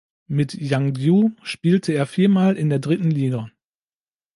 Mit Yangju spielte er viermal in der dritten Liga.